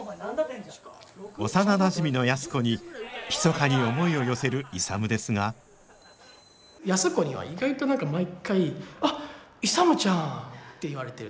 幼なじみの安子にひそかに思いを寄せる勇ですが安子には意外と何か毎回「あっ勇ちゃん」って言われてる。